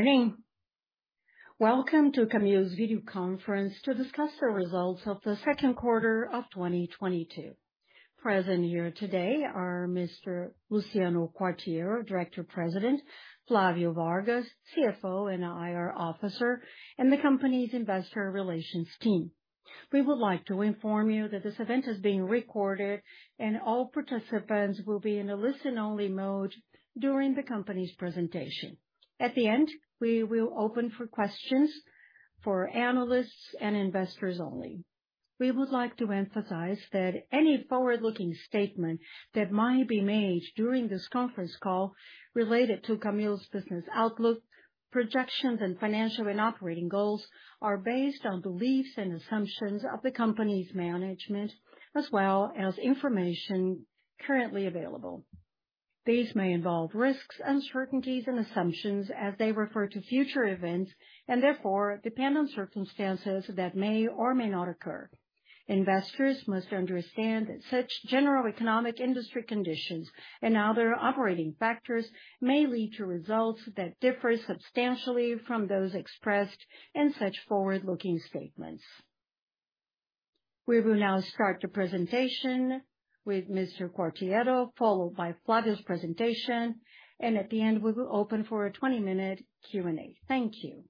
Good morning. Welcome to Camil's video conference to discuss the results of the second quarter of 2022. Present here today are Mr. Luciano Quartiero, Director President, Flavio Vargas, CFO and IR officer, and the company's investor relations team. We would like to inform you that this event is being recorded and all participants will be in a listen-only mode during the company's presentation. At the end, we will open for questions for analysts and investors only. We would like to emphasize that any forward-looking statement that might be made during this conference call related to Camil's business outlook, projections, and financial and operating goals are based on beliefs and assumptions of the company's management as well as information currently available. These may involve risks, uncertainties and assumptions as they refer to future events and therefore depend on circumstances that may or may not occur. Investors must understand that such general economic industry conditions and other operating factors may lead to results that differ substantially from those expressed in such forward-looking statements. We will now start the presentation with Mr. Quartiero, followed by Flavio's presentation, and at the end, we will open for a 20-minute Q&A. Thank you.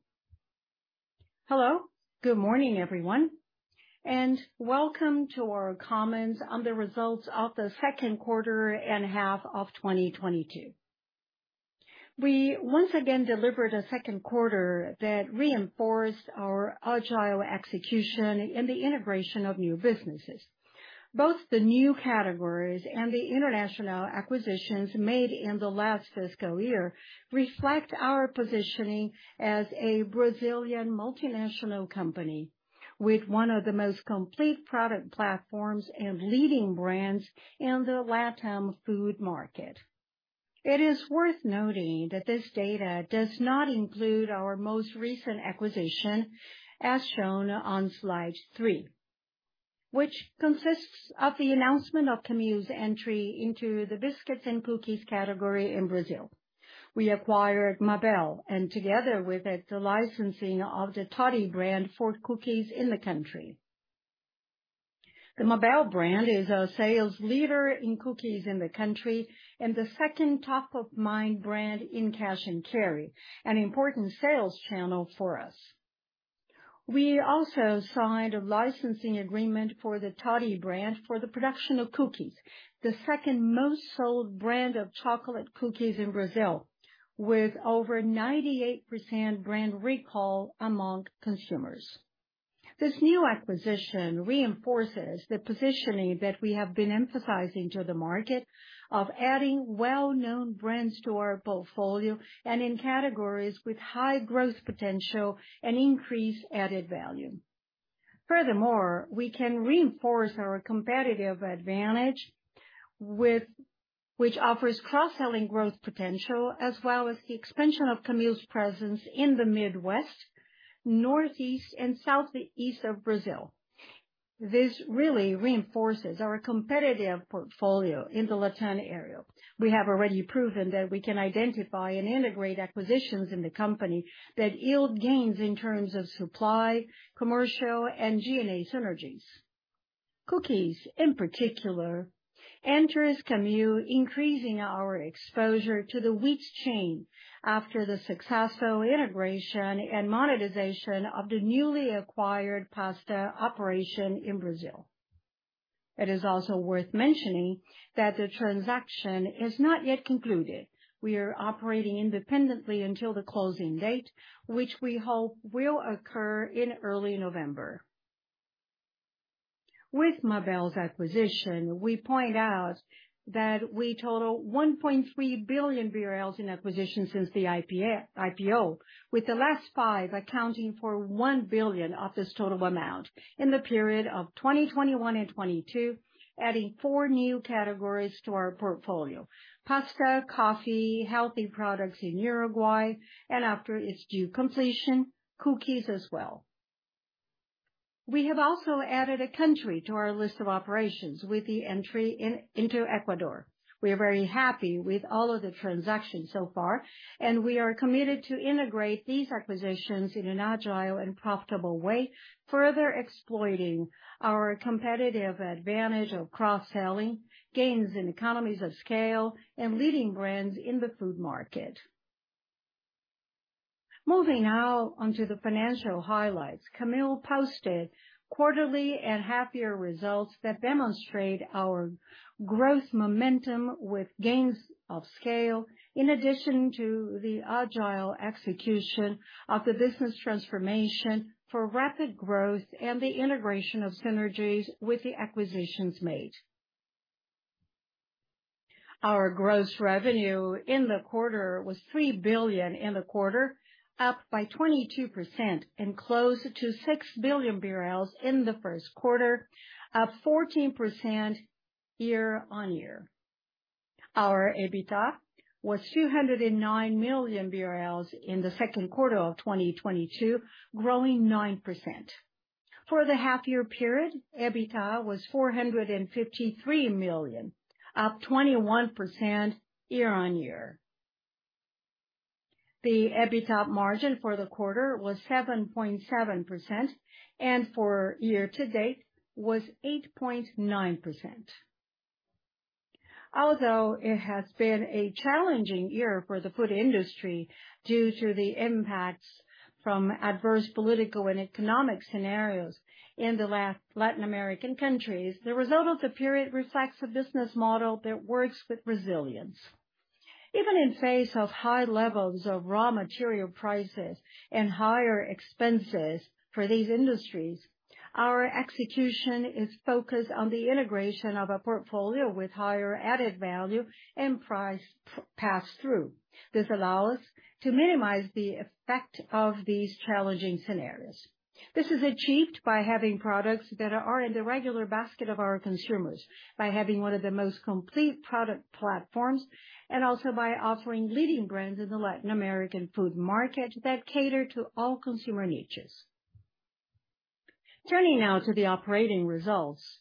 Hello, good morning, everyone, and welcome to our comments on the results of the second quarter and half of 2022. We once again delivered a second quarter that reinforced our agile execution in the integration of new businesses. Both the new categories and the international acquisitions made in the last fiscal year reflect our positioning as a Brazilian multinational company with one of the most complete product platforms and leading brands in the LatAm food market. It is worth noting that this data does not include our most recent acquisition as shown on slide three, which consists of the announcement of Camil's entry into the biscuits and cookies category in Brazil. We acquired Mabel and together with it the licensing of the Toddy brand for cookies in the country. The Mabel brand is a sales leader in cookies in the country and the second top of mind brand in cash and carry, an important sales channel for us. We also signed a licensing agreement for the Toddy brand for the production of cookies, the second most sold brand of chocolate cookies in Brazil with over 98% brand recall among consumers. This new acquisition reinforces the positioning that we have been emphasizing to the market of adding well-known brands to our portfolio and in categories with high growth potential and increased added value. Furthermore, we can reinforce our competitive advantage with which offers cross-selling growth potential as well as the expansion of Camil's presence in the Midwest, Northeast and Southeast of Brazil. This really reinforces our competitive portfolio in the Latin America. We have already proven that we can identify and integrate acquisitions in the company that yield gains in terms of supply, commercial and G&A synergies. Cookies, in particular, enters Camil, increasing our exposure to the wheat chain after the successful integration and monetization of the newly acquired pasta operation in Brazil. It is also worth mentioning that the transaction is not yet concluded. We are operating independently until the closing date, which we hope will occur in early November. With Mabel's acquisition, we point out that we total 1.3 billion BRL in acquisitions since the IPO, with the last five accounting for 1 billion of this total amount in the period of 2021 and 2022, adding four new categories to our portfolio, pasta, coffee, healthy products in Uruguay and after its due completion, cookies as well. We have also added a country to our list of operations with the entry into Ecuador. We are very happy with all of the transactions so far and we are committed to integrate these acquisitions in an agile and profitable way, further exploiting our competitive advantage of cross-selling, gains in economies of scale and leading brands in the food market. Moving now onto the financial highlights, Camil posted quarterly and half-year results that demonstrate our growth momentum with gains of scale in addition to the agile execution of the business transformation for rapid growth and the integration of synergies with the acquisitions made. Our gross revenue in the quarter was 3 billion, up 22% and close to 6 billion in the first half, up 14% year-on-year. Our EBITDA was 209 million BRL in the second quarter of 2022, growing 9%. For the half-year period, EBITDA was 453 million, up 21% year-on-year. The EBITDA margin for the quarter was 7.7%, and for year-to-date was 8.9%. Although it has been a challenging year for the food industry due to the impacts from adverse political and economic scenarios in the Latin American countries, the result of the period reflects a business model that works with resilience. Even in face of high levels of raw material prices and higher expenses for these industries, our execution is focused on the integration of a portfolio with higher added value and price pass-through. This allow us to minimize the effect of these challenging scenarios. This is achieved by having products that are in the regular basket of our consumers, by having one of the most complete product platforms, and also by offering leading brands in the Latin American food market that cater to all consumer niches. Turning now to the operating results.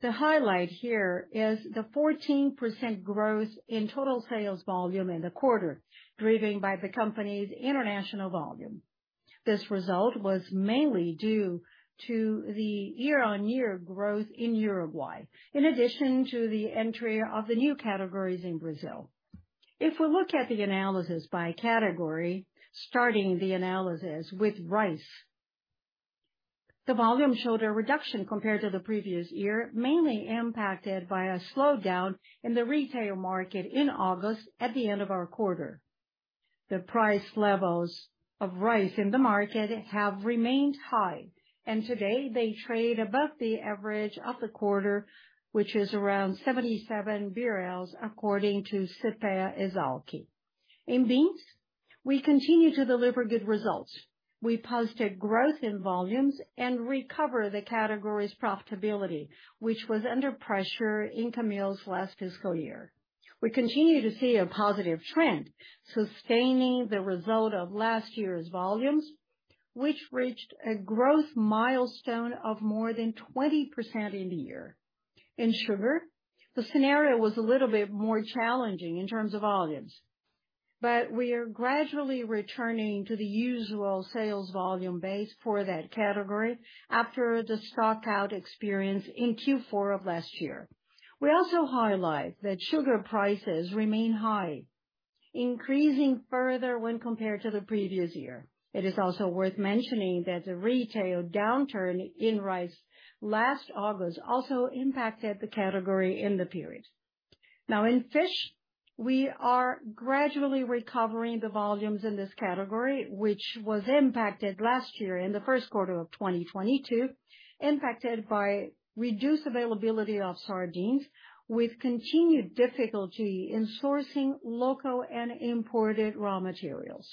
The highlight here is the 14% growth in total sales volume in the quarter, driven by the company's international volume. This result was mainly due to the year-on-year growth in Uruguay, in addition to the entry of the new categories in Brazil. If we look at the analysis by category, starting the analysis with rice, the volume showed a reduction compared to the previous year, mainly impacted by a slowdown in the retail market in August at the end of our quarter. The price levels of rice in the market have remained high, and today they trade above the average of the quarter, which is around 77 BRL according to Cepea/Esalq. In beans, we continue to deliver good results. We posted growth in volumes and recover the category's profitability, which was under pressure in Camil's last fiscal year. We continue to see a positive trend sustaining the result of last year's volumes, which reached a growth milestone of more than 20% in the year. In sugar, the scenario was a little bit more challenging in terms of volumes. We are gradually returning to the usual sales volume base for that category after the stock out experience in Q4 of last year. We also highlight that sugar prices remain high, increasing further when compared to the previous year. It is also worth mentioning that the retail downturn in rice last August also impacted the category in the period. Now in fish, we are gradually recovering the volumes in this category, which was impacted last year in the first quarter of 2022, impacted by reduced availability of sardines with continued difficulty in sourcing local and imported raw materials.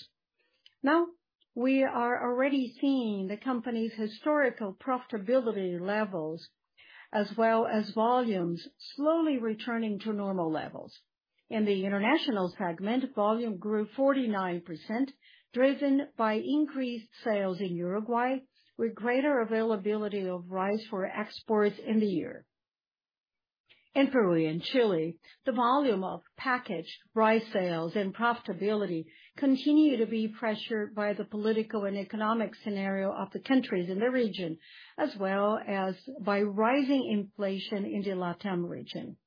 Now, we are already seeing the company's historical profitability levels as well as volumes slowly returning to normal levels. In the international segment, volume grew 49%, driven by increased sales in Uruguay, with greater availability of rice for exports in the year. In Peru and Chile, the volume of packaged rice sales and profitability continue to be pressured by the political and economic scenario of the countries in the region, as well as by rising inflation in the LatAm region.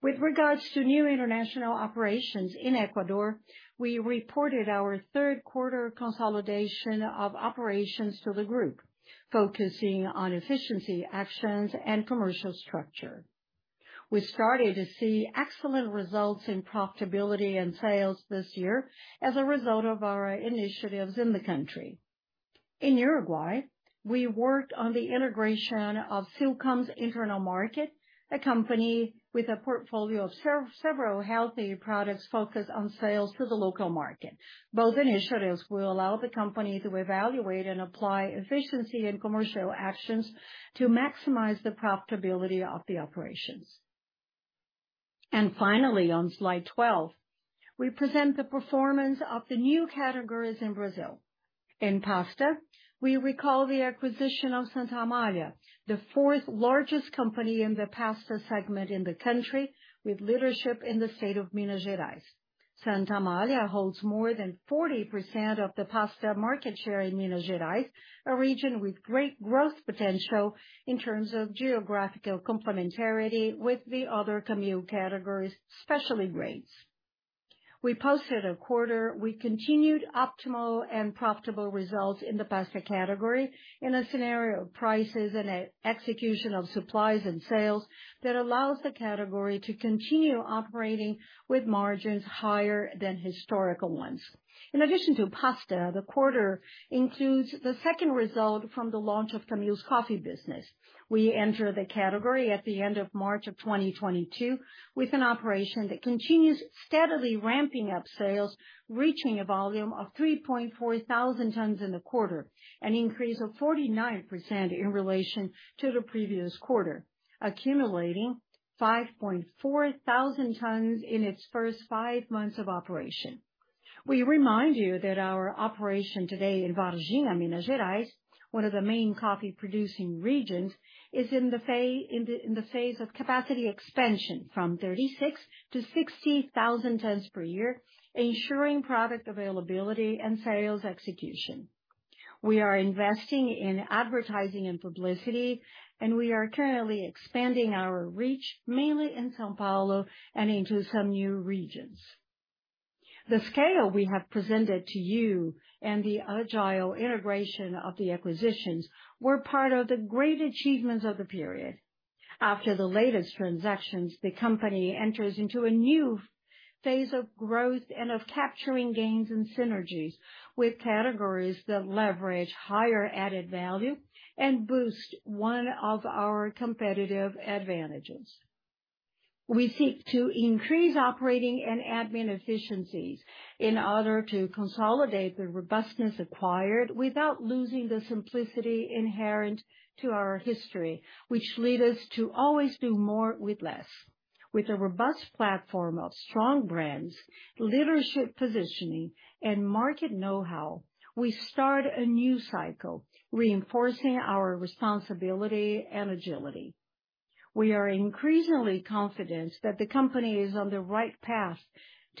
With regards to new international operations in Ecuador, we reported our third quarter consolidation of operations to the group, focusing on efficiency actions and commercial structure. We started to see excellent results in profitability and sales this year as a result of our initiatives in the country. In Uruguay, we worked on the integration of Silcom's internal market, a company with a portfolio of several healthy products focused on sales to the local market. Both initiatives will allow the company to evaluate and apply efficiency and commercial actions to maximize the profitability of the operations. Finally, on slide 12, we present the performance of the new categories in Brazil. In pasta, we recall the acquisition of Santa Amália, the fourth largest company in the pasta segment in the country, with leadership in the state of Minas Gerais. Santa Amália holds more than 40% of the pasta market share in Minas Gerais, a region with great growth potential in terms of geographical complementarity with the other Camil categories, especially grains. We posted a quarter with continued optimal and profitable results in the pasta category in a scenario of prices and execution of supplies and sales that allows the category to continue operating with margins higher than historical ones. In addition to pasta, the quarter includes the second result from the launch of Camil's coffee business. We enter the category at the end of March of 2022 with an operation that continues steadily ramping up sales, reaching a volume of 3,400 tons in the quarter, an increase of 49% in relation to the previous quarter, accumulating 5,400 tons in its first five months of operation. We remind you that our operation today in Varginha, Minas Gerais, one of the main coffee producing regions, is in the phase of capacity expansion from 36,000-60,000 tons per year, ensuring product availability and sales execution. We are investing in advertising and publicity, and we are currently expanding our reach, mainly in São Paulo and into some new regions. The scale we have presented to you and the agile integration of the acquisitions were part of the great achievements of the period. After the latest transactions, the company enters into a new phase of growth and of capturing gains and synergies with categories that leverage higher added value and boost one of our competitive advantages. We seek to increase operating and admin efficiencies in order to consolidate the robustness acquired without losing the simplicity inherent to our history, which lead us to always do more with less. With a robust platform of strong brands, leadership positioning, and market know-how, we start a new cycle reinforcing our responsibility and agility. We are increasingly confident that the company is on the right path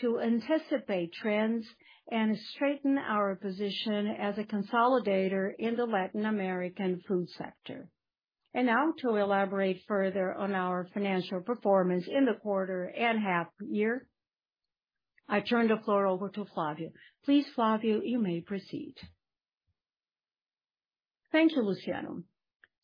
to anticipate trends and strengthen our position as a consolidator in the Latin American food sector. Now to elaborate further on our financial performance in the quarter and half year, I turn the floor over to Flavio. Please, Flavio, you may proceed. Thank you, Luciano.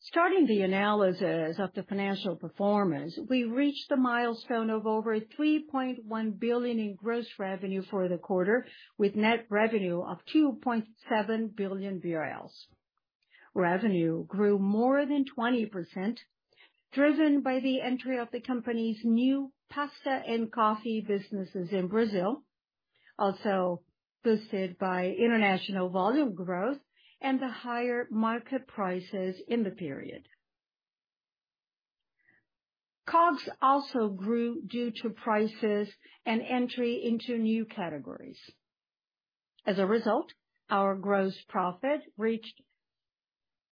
Starting the analysis of the financial performance, we reached the milestone of over 3.1 billion in gross revenue for the quarter, with net revenue of 2.7 billion BRL. Revenue grew more than 20%, driven by the entry of the company's new pasta and coffee businesses in Brazil, also boosted by international volume growth and the higher market prices in the period. COGS also grew due to prices and entry into new categories. As a result, our gross profit reached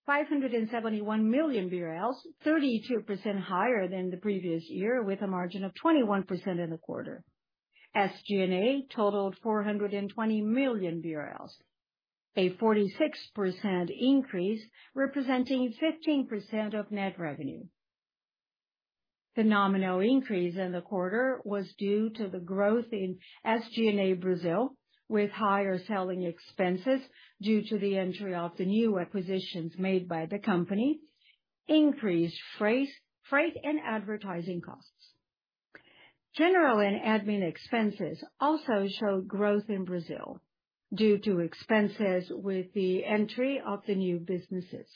571 million BRL, 32% higher than the previous year with a margin of 21% in the quarter. SG&A totaled 420 million BRL, a 46% increase representing 15% of net revenue. The nominal increase in the quarter was due to the growth in SG&A Brazil, with higher selling expenses due to the entry of the new acquisitions made by the company, increased freight and advertising costs. General and admin expenses also showed growth in Brazil due to expenses with the entry of the new businesses.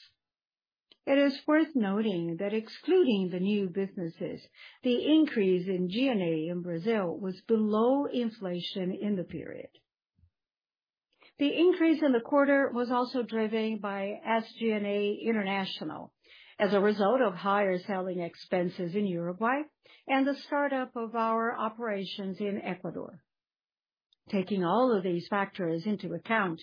It is worth noting that excluding the new businesses, the increase in G&A in Brazil was below inflation in the period. The increase in the quarter was also driven by SG&A International as a result of higher selling expenses in Uruguay and the startup of our operations in Ecuador. Taking all of these factors into account,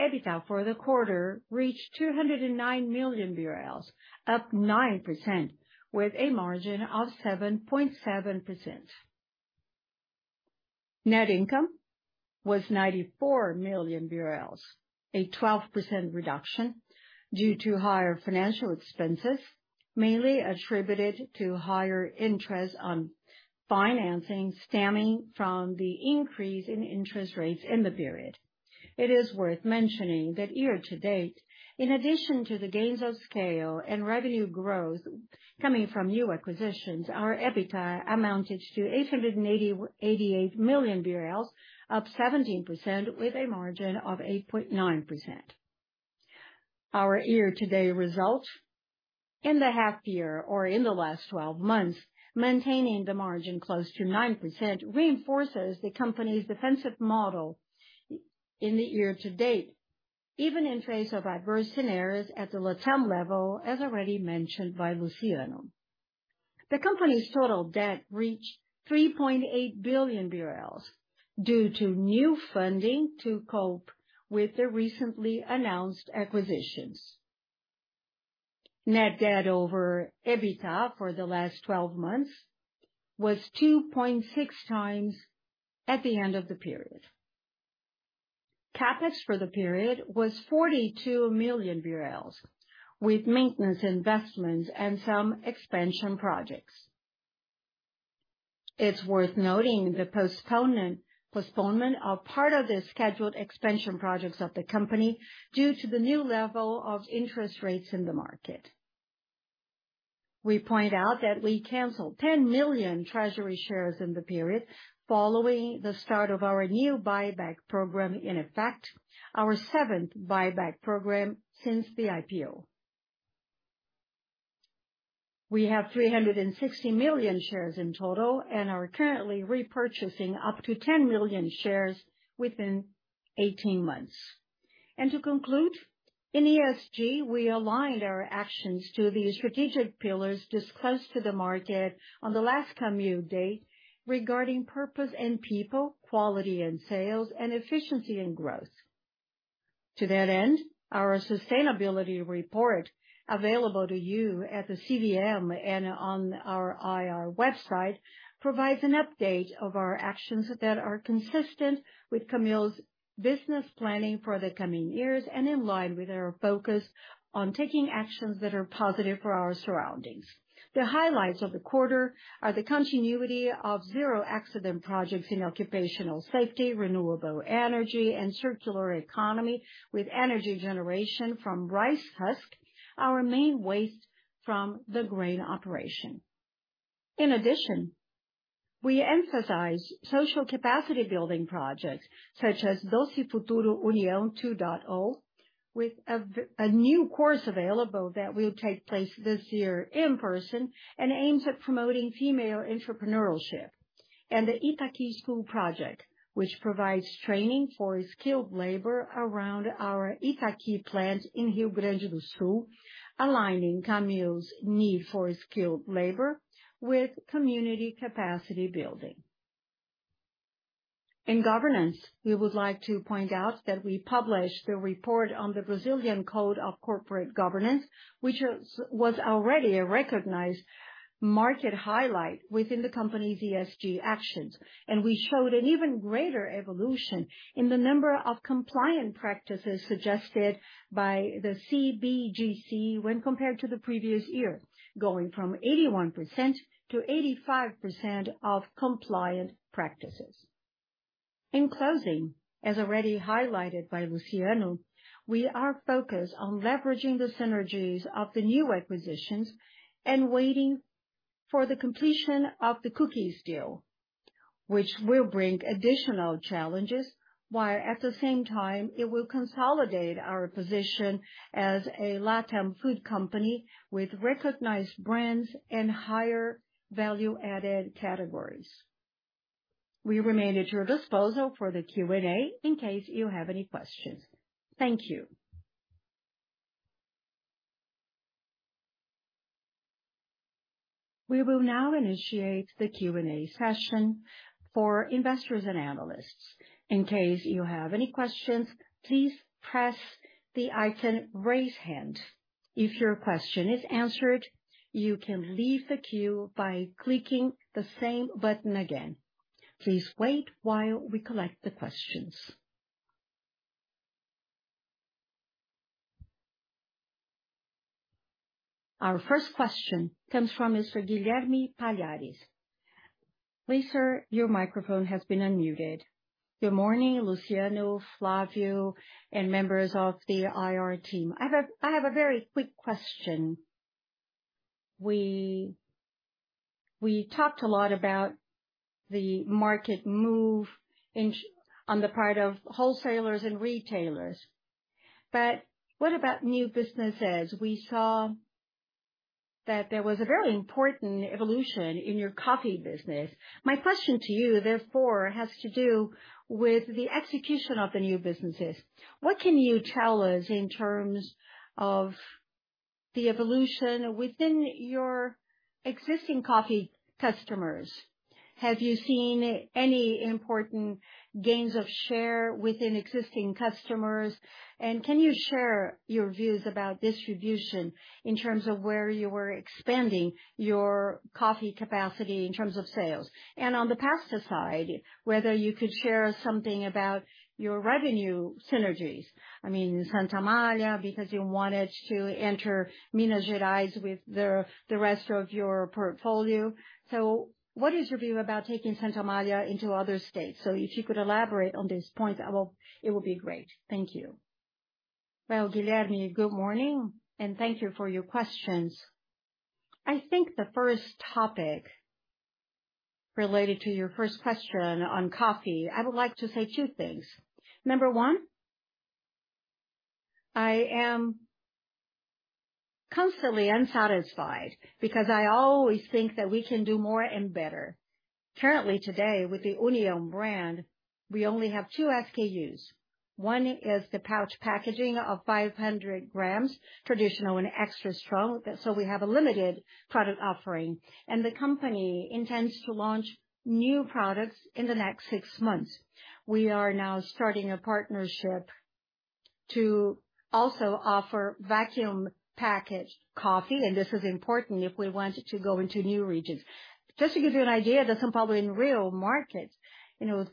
EBITDA for the quarter reached 209 million BRL, up 9% with a margin of 7.7%. Net income was 94 million BRL, a 12% reduction due to higher financial expenses, mainly attributed to higher interest on financing stemming from the increase in interest rates in the period. It is worth mentioning that year-to-date, in addition to the gains of scale and revenue growth coming from new acquisitions, our EBITDA amounted to 888 million BRL, up 17% with a margin of 8.9%. Our year-to-date results in the half year or in the last twelve months, maintaining the margin close to 9% reinforces the company's defensive model in the year-to-date, even in face of adverse scenarios at the LatAm level, as already mentioned by Luciano. The company's total debt reached 3.8 billion BRL due to new funding to cope with the recently announced acquisitions. Net debt over EBITDA for the last twelve months was 2.6 times at the end of the period. CapEx for the period was 42 million BRL, with maintenance investments and some expansion projects. It's worth noting the postponement of part of the scheduled expansion projects of the company due to the new level of interest rates in the market. We point out that we canceled 10 million treasury shares in the period following the start of our new buyback program in effect, our seventh buyback program since the IPO. We have 360 million shares in total and are currently repurchasing up to 10 million shares within 18 months. To conclude, in ESG, we aligned our actions to the strategic pillars disclosed to the market on the last Camil Day regarding purpose and people, quality and sales, and efficiency and growth. To that end, our sustainability report, available to you at the CVM and on our IR website, provides an update of our actions that are consistent with Camil's business planning for the coming years and in line with our focus on taking actions that are positive for our surroundings. The highlights of the quarter are the continuity of zero accident projects in occupational safety, renewable energy, and circular economy with energy generation from rice husk, our main waste from the grain operation. In addition, we emphasize social capacity building projects such as Doce Futuro União 2.0, with a new course available that will take place this year in person and aims at promoting female entrepreneurship. The Itaqui School project, which provides training for skilled labor around our Itaqui plant in Rio Grande do Sul, aligning Camil's need for skilled labor with community capacity building. In governance, we would like to point out that we published a report on the Brazilian Code of Corporate Governance, which was already a recognized market highlight within the company's ESG actions. We showed an even greater evolution in the number of compliant practices suggested by the CBGC when compared to the previous year, going from 81% to 85% of compliant practices. In closing, as already highlighted by Luciano, we are focused on leveraging the synergies of the new acquisitions and waiting for the completion of the cookies deal, which will bring additional challenges, while at the same time it will consolidate our position as a Latam food company with recognized brands and higher value-added categories. We remain at your disposal for the Q&A in case you have any questions. Thank you. We will now initiate the Q&A session for investors and analysts. In case you have any questions, please press the icon, Raise Hand. If your question is answered, you can leave the queue by clicking the same button again. Please wait while we collect the questions. Our first question comes from Mr. Guilherme Palhares. Please, sir, your microphone has been unmuted. Good morning, Luciano, Flavio, and members of the IR team. I have a very quick question. We talked a lot about the market move on the part of wholesalers and retailers, but what about new businesses? We saw that there was a very important evolution in your coffee business. My question to you, therefore, has to do with the execution of the new businesses. What can you tell us in terms of the evolution within your existing coffee customers? Have you seen any important gains of share within existing customers? Can you share your views about distribution in terms of where you were expanding your coffee capacity in terms of sales? On the pasta side, whether you could share something about your revenue synergies. I mean, Santa Amália, because you wanted to enter Minas Gerais with the rest of your portfolio. What is your view about taking Santa Amália into other states? If you could elaborate on these points, it would be great. Thank you. Well, Guilherme, good morning, and thank you for your questions. I think the first topic related to your first question on coffee, I would like to say two things. Number one, I am constantly unsatisfied because I always think that we can do more and better. Currently, today, with the União brand, we only have two SKUs. One is the pouch packaging of 500 grams, traditional and extra strong. We have a limited product offering. The company intends to launch new products in the next six months. We are now starting a partnership to also offer vacuum packaged coffee, and this is important if we want to go into new regions. Just to give you an idea, the São Paulo and Rio markets, you know,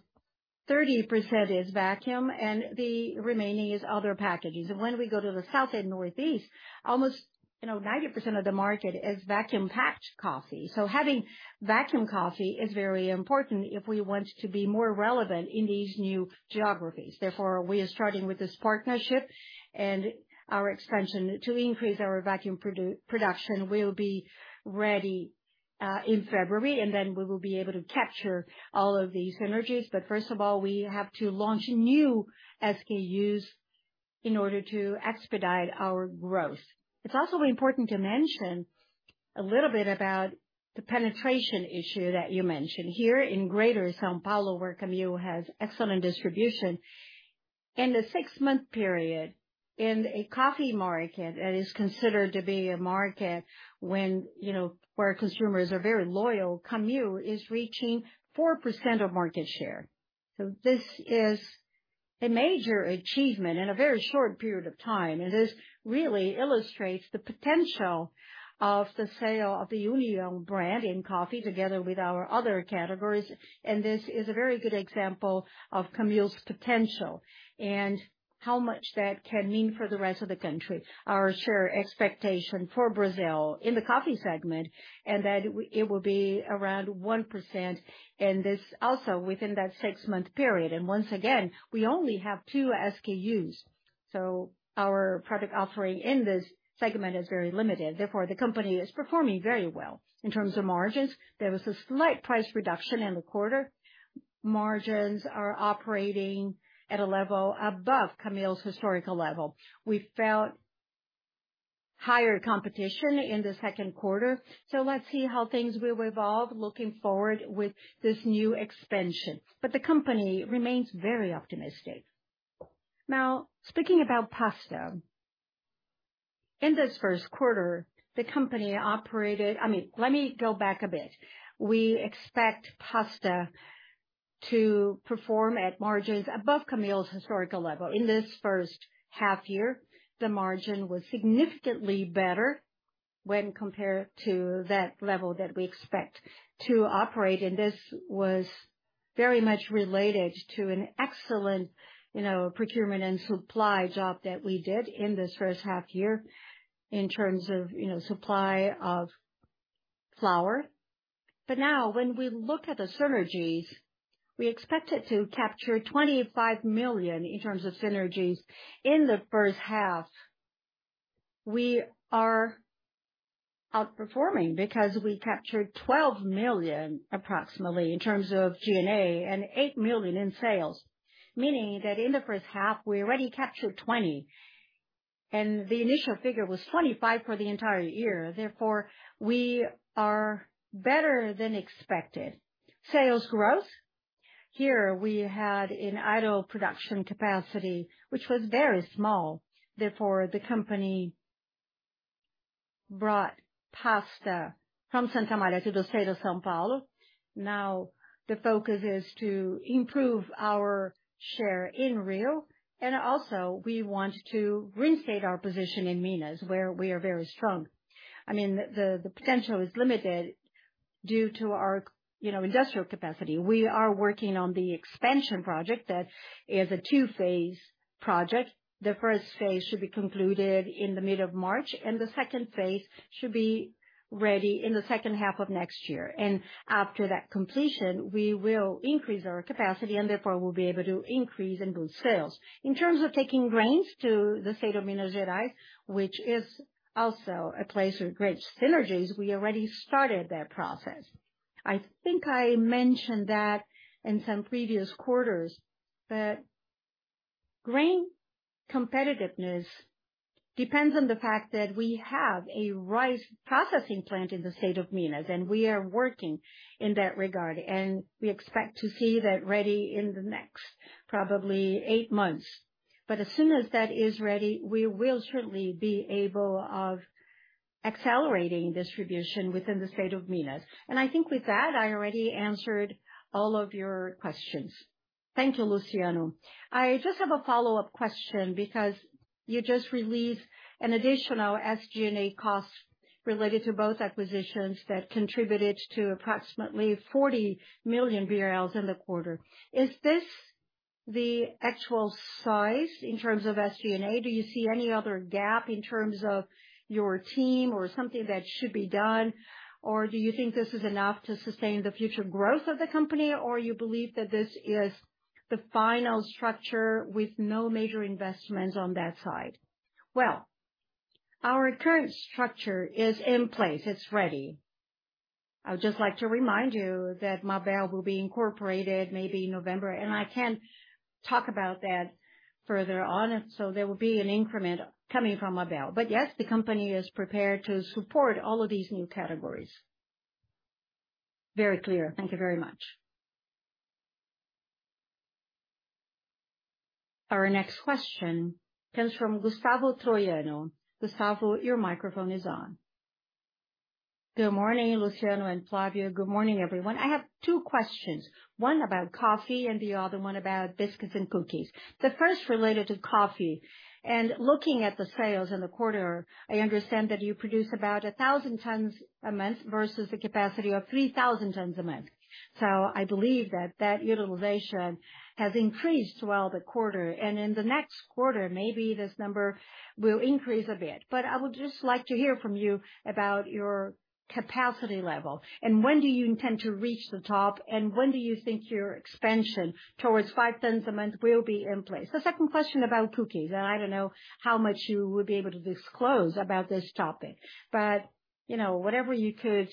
30% is vacuum and the remaining is other packages. When we go to the South and Northeast, almost, you know, 90% of the market is vacuum packed coffee. Having vacuum coffee is very important if we want to be more relevant in these new geographies. Therefore, we are starting with this partnership and our expansion to increase our vacuum production will be ready in February, and then we will be able to capture all of these synergies. First of all, we have to launch new SKUs in order to expedite our growth. It's also important to mention a little bit about the penetration issue that you mentioned. Here in Greater São Paulo, where Camil has excellent distribution, in the six-month period in a coffee market that is considered to be a market when, you know, where consumers are very loyal, Camil is reaching 4% of market share. This is a major achievement in a very short period of time, and this really illustrates the potential of the sale of the União brand in coffee together with our other categories. This is a very good example of Camil's potential and how much that can mean for the rest of the country. Our share expectation for Brazil in the coffee segment and that it will be around 1%, and this also within that six-month period. Once again, we only have two SKUs, so our product offering in this segment is very limited. Therefore, the company is performing very well. In terms of margins, there was a slight price reduction in the quarter. Margins are operating at a level above Camil's historical level. We felt higher competition in the second quarter, so let's see how things will evolve looking forward with this new expansion. The company remains very optimistic. Now, speaking about pasta. I mean, let me go back a bit. We expect pasta to perform at margins above Camil's historical level. In this first half year, the margin was significantly better when compared to that level that we expect to operate, and this was very much related to an excellent, you know, procurement and supply job that we did in this first half year in terms of, you know, supply of flour. Now when we look at the synergies, we expect it to capture 25 million in terms of synergies in the first half. We are outperforming because we captured approximately 12 million in terms of G&A and 8 million in sales. Meaning that in the first half we already captured 20 million, and the initial figure was 25 million for the entire year. Therefore, we are better than expected. Sales growth. Here we had an idle production capacity, which was very small. Therefore, the company brought pasta from Santa Amália to the state of São Paulo. Now, the focus is to improve our share in Rio, and also we want to reinstate our position in Minas, where we are very strong. I mean, the potential is limited due to our, you know, industrial capacity. We are working on the expansion project that is a two-phase project. The first phase should be concluded in the mid of March, and the second phase should be ready in the second half of next year. After that completion, we will increase our capacity and therefore will be able to increase and boost sales. In terms of taking grains to the state of Minas Gerais, which is also a place with great synergies, we already started that process. I think I mentioned that in some previous quarters, but grain competitiveness depends on the fact that we have a rice processing plant in the state of Minas, and we are working in that regard. We expect to see that ready in the next probably eight months. As soon as that is ready, we will certainly be able to accelerating distribution within the state of Minas. I think with that, I already answered all of your questions. Thank you, Luciano. I just have a follow-up question because you just released an additional SG&A cost related to both acquisitions that contributed to approximately 40 million BRL in the quarter. Is this the actual size in terms of SG&A? Do you see any other gap in terms of your team or something that should be done? Or do you think this is enough to sustain the future growth of the company? Or you believe that this is the final structure with no major investments on that side? Well, our current structure is in place. It's ready. I would just like to remind you that Mabel will be incorporated maybe November, and I can't talk about that further on. So there will be an increment coming from Mabel. But yes, the company is prepared to support all of these new categories. Very clear. Thank you very much. Our next question comes from Gustavo Troyano. Gustavo, your microphone is on. Good morning, Luciano and Flavio. Good morning, everyone. I have two questions. One about coffee and the other one about biscuits and cookies. The first related to coffee. Looking at the sales in the quarter, I understand that you produce about 1,000 tons a month versus a capacity of 3,000 tons a month. I believe that utilization has increased throughout the quarter. In the next quarter, maybe this number will increase a bit. I would just like to hear from you about your capacity level and when do you intend to reach the top and when do you think your expansion towards five tons a month will be in place? The second question about cookies, and I don't know how much you would be able to disclose about this topic, but, you know, whatever you could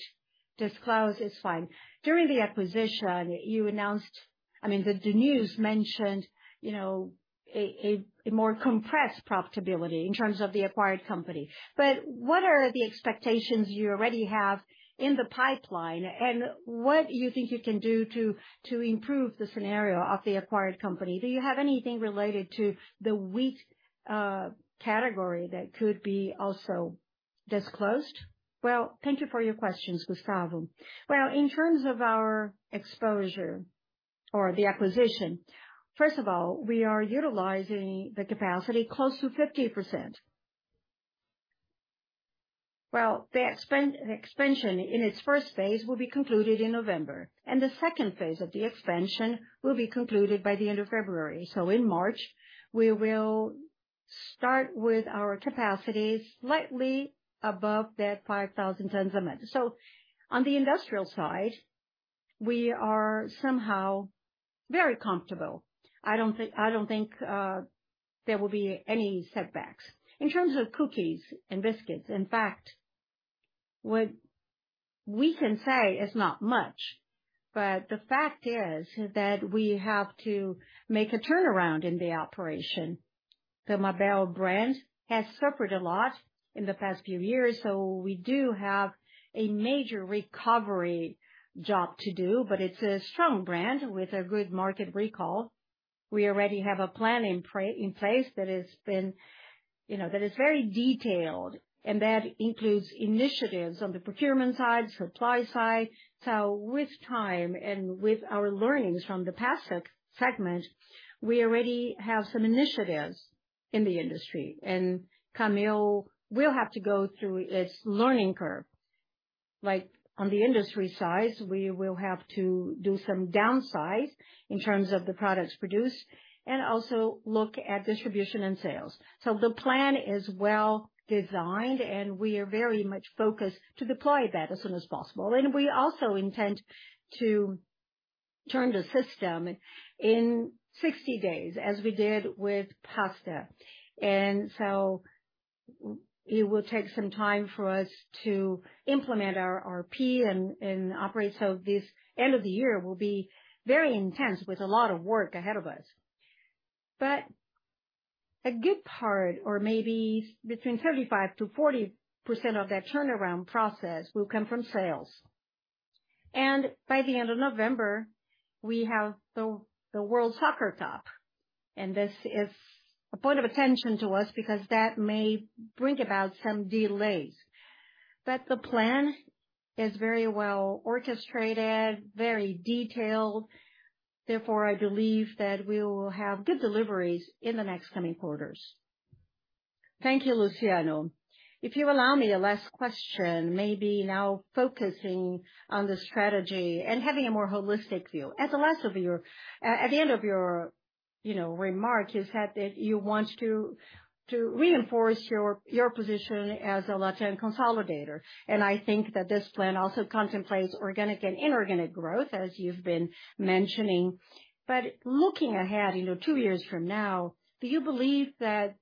disclose is fine. During the acquisition you announced, I mean, the news mentioned, you know, a more compressed profitability in terms of the acquired company. What are the expectations you already have in the pipeline? What do you think you can do to improve the scenario of the acquired company? Do you have anything related to the wheat category that could be also disclosed? Well, thank you for your questions, Gustavo. Well, in terms of our expansion of the acquisition, first of all, we are utilizing the capacity close to 50%. Well, the expansion in its first phase will be concluded in November, and the second phase of the expansion will be concluded by the end of February. In March, we will start with our capacity slightly above that 5,000 tons a month. On the industrial side, we are somehow very comfortable. I don't think there will be any setbacks. In terms of cookies and biscuits, in fact, what we can say is not much, but the fact is that we have to make a turnaround in the operation. The Mabel brand has suffered a lot in the past few years, so we do have a major recovery job to do, but it's a strong brand with a good market recall. We already have a plan in place that has been, you know, that is very detailed, and that includes initiatives on the procurement side, supply side. With time and with our learnings from the past segment, we already have some initiatives in the industry. Camil will have to go through its learning curve. Like on the industry side, we will have to do some downsize in terms of the products produced and also look at distribution and sales. The plan is well designed, and we are very much focused to deploy that as soon as possible. We also intend to turn the system in 60 days as we did with pasta. It will take some time for us to implement our ERP and operate. This end of the year will be very intense with a lot of work ahead of us. A good part or maybe between 35%-40% of that turnaround process will come from sales. By the end of November, we have the World Cup, and this is a point of attention to us because that may bring about some delays. The plan is very well orchestrated, very detailed. Therefore, I believe that we will have good deliveries in the next coming quarters. Thank you, Luciano. If you allow me a last question, maybe now focusing on the strategy and having a more holistic view. At the end of your, you know, remarks, you said that you want to reinforce your position as a LatAm consolidator. I think that this plan also contemplates organic and inorganic growth, as you've been mentioning. Looking ahead, you know, two years from now, do you believe that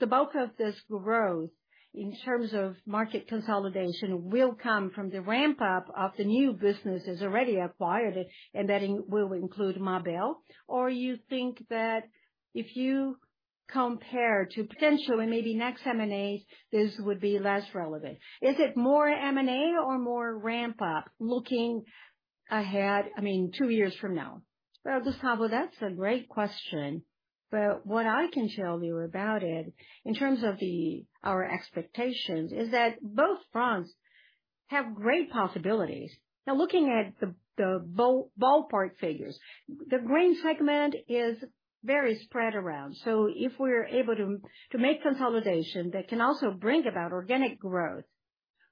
the bulk of this growth, in terms of market consolidation, will come from the ramp-up of the new businesses already acquired, and that will include Mabel? Or you think that if you compare to potential and maybe next M&A, this would be less relevant? Is it more M&A or more ramp up looking ahead, I mean, two years from now? Well, Gustavo, that's a great question. What I can tell you about it in terms of our expectations is that both fronts have great possibilities. Now, looking at the ballpark figures, the grain segment is very spread around. If we're able to make consolidation, that can also bring about organic growth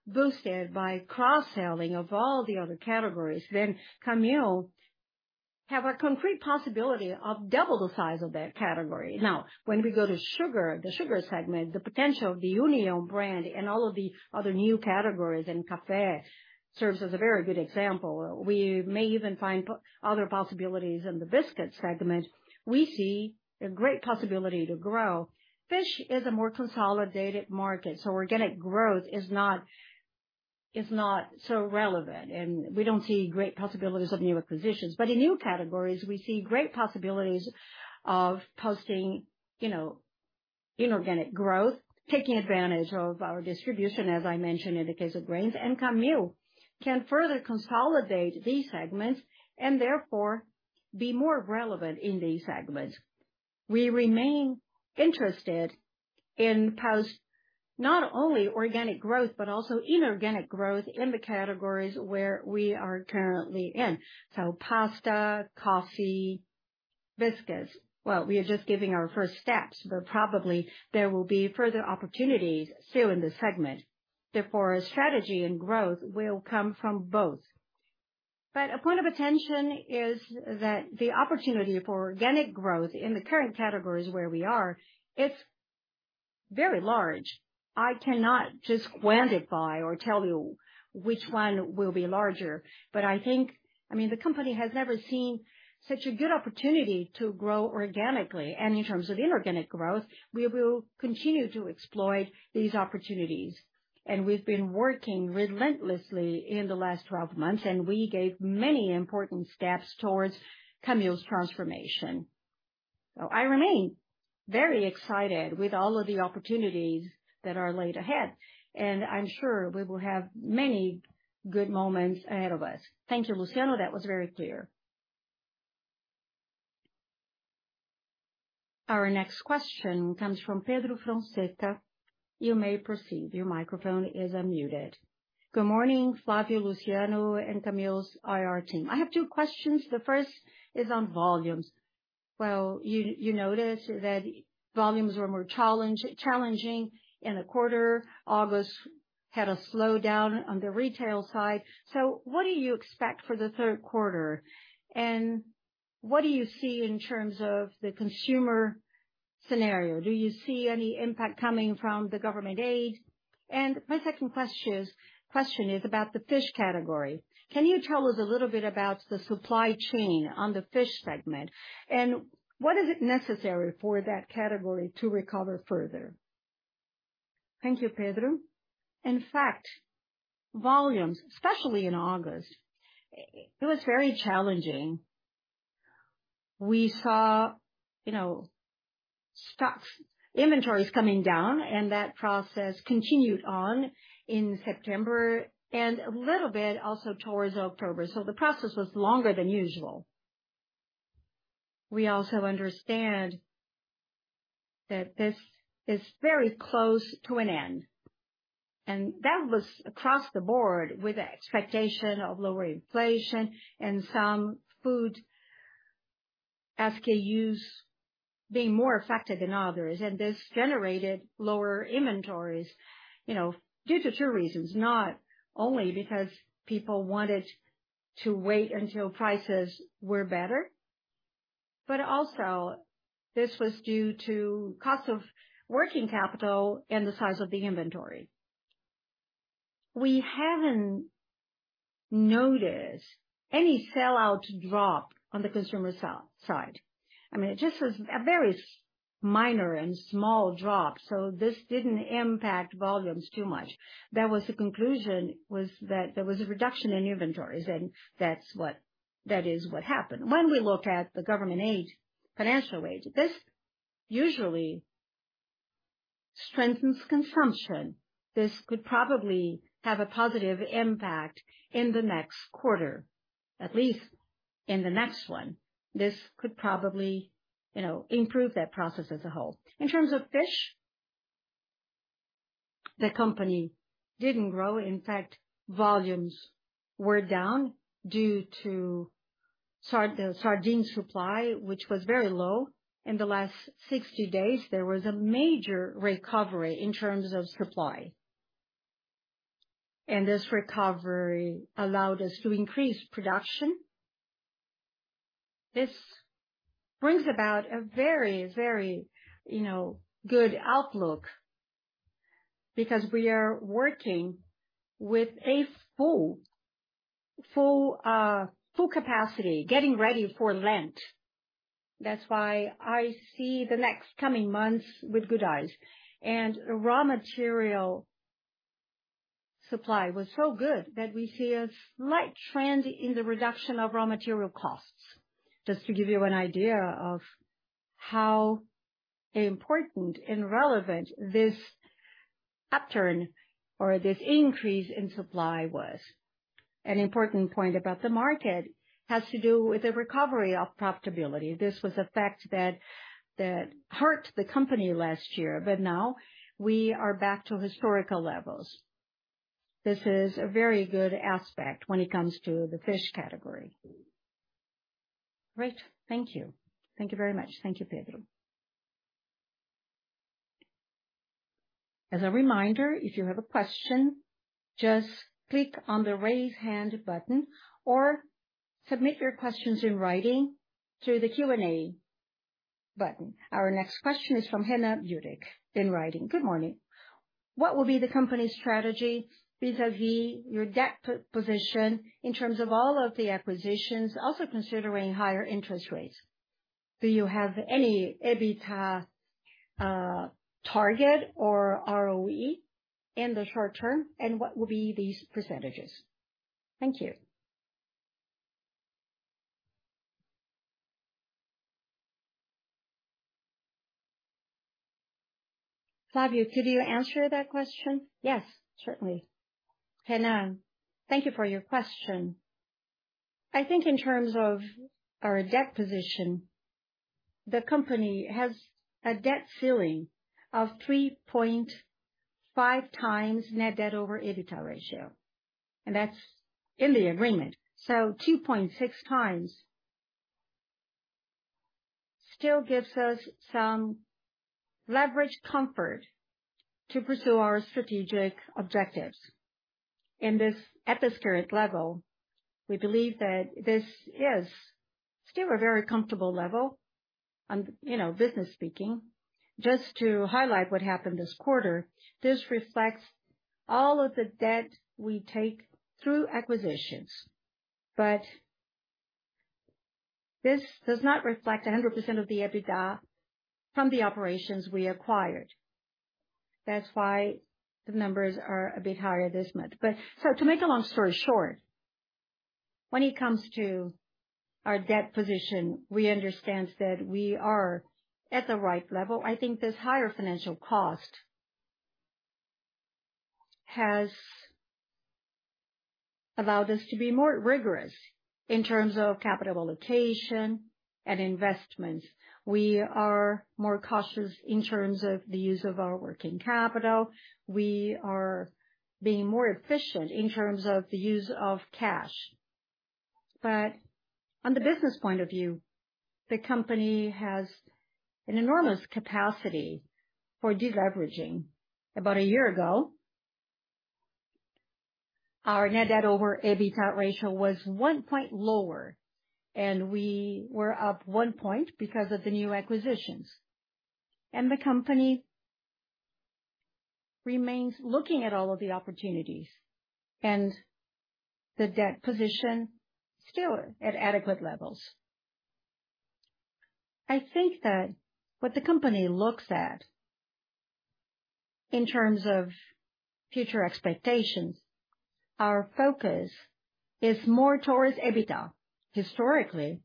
boosted by cross-selling of all the other categories, then Camil have a concrete possibility of double the size of that category. Now, when we go to sugar, the sugar segment, the potential of the União brand and all of the other new categories, and café serves as a very good example. We may even find other possibilities in the biscuit segment. We see a great possibility to grow. Fish is a more consolidated market, so organic growth is not so relevant, and we don't see great possibilities of new acquisitions. In new categories, we see great possibilities of posting, you know, inorganic growth, taking advantage of our distribution, as I mentioned in the case of grains. Camil can further consolidate these segments and therefore be more relevant in these segments. We remain interested in M&A, not only organic growth but also inorganic growth in the categories where we are currently in. Pasta, coffee, biscuits. Well, we are just giving our first steps, but probably there will be further opportunities still in this segment. Therefore, our strategy and growth will come from both. A point of attention is that the opportunity for organic growth in the current categories where we are, it's very large. I cannot just quantify or tell you which one will be larger. I think, I mean, the company has never seen such a good opportunity to grow organically. In terms of inorganic growth, we will continue to exploit these opportunities. We've been working relentlessly in the last 12 months, and we gave many important steps towards Camil's transformation. I remain very excited with all of the opportunities that are laid ahead, and I'm sure we will have many good moments ahead of us. Thank you, Luciano. That was very clear. Our next question comes from Pedro Fonseca. You may proceed. Your microphone is unmuted. Good morning, Flavio, Luciano, and Camil's IR team. I have two questions. The first is on volumes. You noticed that volumes were more challenging in the quarter. August had a slowdown on the retail side. What do you expect for the third quarter, and what do you see in terms of the consumer scenario? Do you see any impact coming from the government aid? My second question is about the fish category. Can you tell us a little bit about the supply chain on the fish segment, and what is it necessary for that category to recover further? Thank you, Pedro. In fact, volumes, especially in August, it was very challenging. We saw, you know, inventories coming down, and that process continued on in September and a little bit also towards October. The process was longer than usual. We also understand that this is very close to an end, and that was across the board with the expectation of lower inflation and some food SKUs being more affected than others. This generated lower inventories, you know, due to two reasons, not only because people wanted to wait until prices were better, but also this was due to cost of working capital and the size of the inventory. We haven't noticed any sellout drop on the consumer side. I mean, it just was a very minor and small drop, so this didn't impact volumes too much. That was the conclusion, that there was a reduction in inventories, and that's what happened. When we look at the government aid, financial aid, this usually strengthens consumption. This could probably have a positive impact in the next quarter, at least in the next one. This could probably, you know, improve that process as a whole. In terms of fish, the company didn't grow. In fact, volumes were down due to the sardine supply, which was very low. In the last 60 days, there was a major recovery in terms of supply. This recovery allowed us to increase production. This brings about a very, you know, good outlook because we are working with a full capacity, getting ready for Lent. That's why I see the next coming months with good eyes. Raw material supply was so good that we see a slight trend in the reduction of raw material costs, just to give you an idea of how important and relevant this upturn or this increase in supply was. An important point about the market has to do with the recovery of profitability. This was a fact that hurt the company last year, but now we are back to historical levels. This is a very good aspect when it comes to the fish category. Great. Thank you. Thank you very much. Thank you, Pedro. As a reminder, if you have a question, just click on the Raise Hand button or submit your questions in writing through the Q&A button. Our next question is from Henna Judick in writing. Good morning. What will be the company's strategy vis-à-vis your debt position in terms of all of the acquisitions, also considering higher interest rates? Do you have any EBITDA target or ROE in the short term, and what will be these percentages? Thank you. Flavio, could you answer that question? Yes, certainly. Henna, thank you for your question. I think in terms of our debt position, the company has a debt ceiling of 3.5 times net debt over EBITDA ratio, and that's in the agreement. 2.6 times still gives us some leverage comfort to pursue our strategic objectives. In this leverage level, we believe that this is still a very comfortable level on, you know, business standpoint. Just to highlight what happened this quarter, this reflects all of the debt we take through acquisitions. This does not reflect 100% of the EBITDA from the operations we acquired. That's why the numbers are a bit higher this month. To make a long story short, when it comes to our debt position, we understand that we are at the right level. I think this higher financial cost has allowed us to be more rigorous in terms of capital allocation and investments. We are more cautious in terms of the use of our working capital. We are being more efficient in terms of the use of cash. On the business point of view, the company has an enormous capacity for deleveraging. About a year ago, our net debt over EBITDA ratio was one point lower, and we were up one point because of the new acquisitions. The company remains looking at all of the opportunities and the debt position still at adequate levels. I think that what the company looks at in terms of future expectations, our focus is more towards EBITDA. Historically,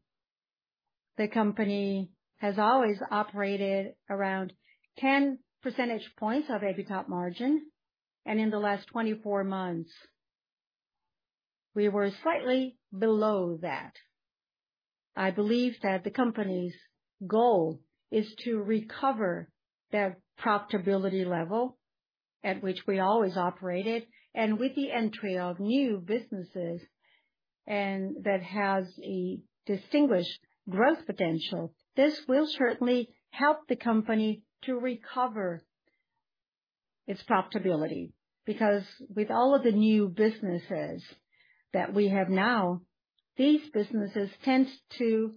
the company has always operated around 10 percentage points of EBITDA margin, and in the last 24 months, we were slightly below that. I believe that the company's goal is to recover that profitability level at which we always operated. With the entry of new businesses and that has a distinguished growth potential, this will certainly help the company to recover its profitability. Because with all of the new businesses that we have now, these businesses tend to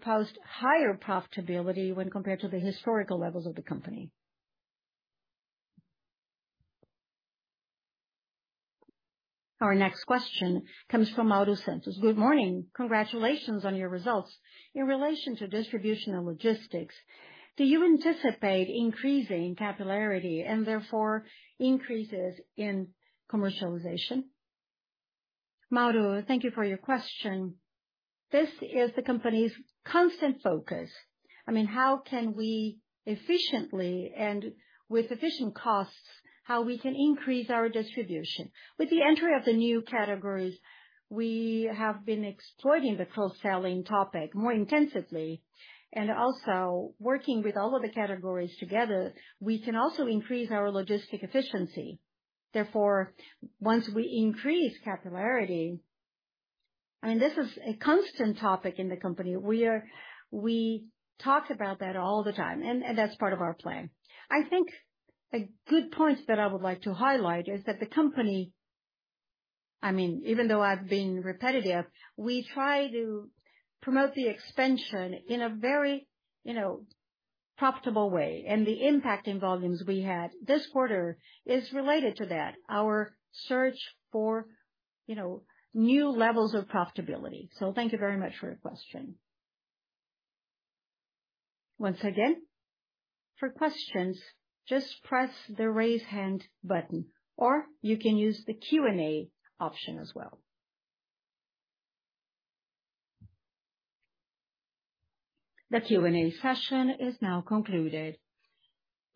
post higher profitability when compared to the historical levels of the company. Our next question comes from Mauro Santos. Good morning. Congratulations on your results. In relation to distribution and logistics, do you anticipate increasing capillarity and therefore increases in commercialization? Mauro, thank you for your question. This is the company's constant focus. I mean, how can we efficiently, and with efficient costs, how we can increase our distribution. With the entry of the new categories, we have been exploiting the cross-selling topic more intensively and also working with all of the categories together, we can also increase our logistic efficiency. Therefore, once we increase capillarity. I mean, this is a constant topic in the company. We talk about that all the time, and that's part of our plan. I think a good point that I would like to highlight is that the company, I mean, even though I've been repetitive, we try to promote the expansion in a very, you know, profitable way. The impact in volumes we had this quarter is related to that, our search for, you know, new levels of profitability. Thank you very much for your question. Once again, for questions, just press the Raise Hand button, or you can use the Q&A option as well. The Q&A session is now concluded.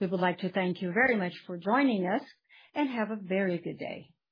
We would like to thank you very much for joining us and have a very good day.